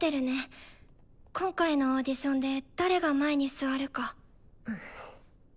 今回のオーディションで誰が前に座るか。